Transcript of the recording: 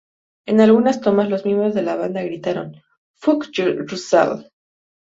En algunas tomas, los miembros de la banda gritaron "Fuck you Russell!